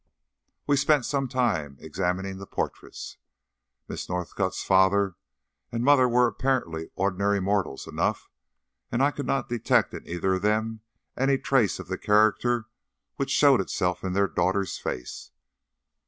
We spent some time examining the portraits. Miss Northcott's father and mother were apparently ordinary mortals enough, and I could not detect in either of them any traces of the character which showed itself in their daughter's face.